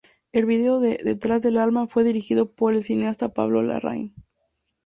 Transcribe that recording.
El video de "Detrás del alma" fue dirigido por el cineasta Pablo Larraín.